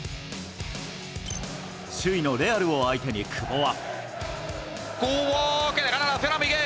首位のレアルを相手に久保は。